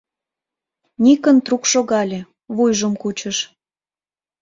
Никон трук шогале, вуйжым кучыш.